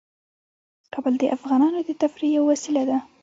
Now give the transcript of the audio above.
کابل د افغانانو د تفریح یوه وسیله ده.